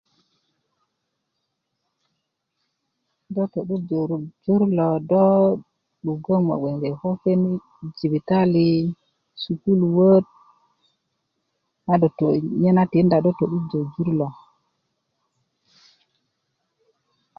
do to'durjö jur lo do 'dukö ŋo bge gbeŋge ko ken jibitaliat sukuluöt ado nye na tinda do to'durö na jur lo